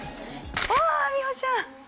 わあ美穂ちゃん！